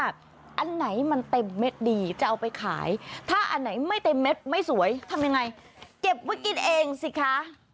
ก็กินเองสิคะ